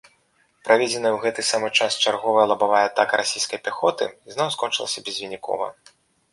Праведзеная ў гэты самы час чарговая лабавая атака расійскае пяхоты ізноў скончылася безвынікова.